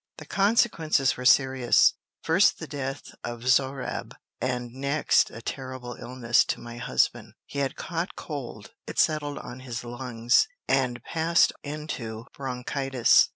The consequences were serious, first the death of Zohrab, and next a terrible illness to my husband. He had caught cold: it settled on his lungs, and passed into bronchitis.